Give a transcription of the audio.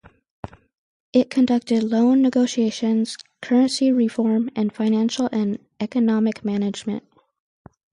It conducted loan negotiations, currency reform, and financial and economic management.